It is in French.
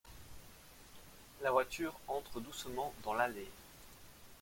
La voiture entre doucement dans l'allée.